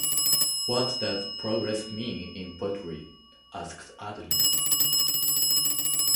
'What does progress mean in poetry?' asks Adonis.